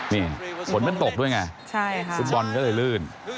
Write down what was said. นี่ฝนมันตกด้วยไงฟุตบอลก็เลยลื่น